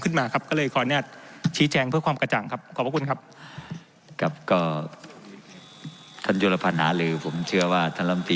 ผมเสนอท่านประธานพักการประชุม